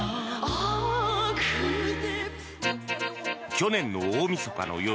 去年の大みそかの夜